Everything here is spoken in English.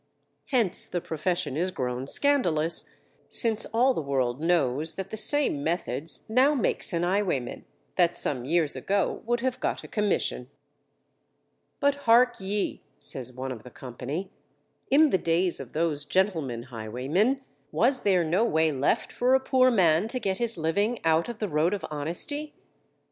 _ Hence the profession is grown scandalous, since all the world knows that the same methods now makes an highwayman, that some years ago would have got a commission. But hark ye, says one of the company, _in the days of those gentlemen highwaymen, was there no way left for a poor man to get his living out of the road of honesty?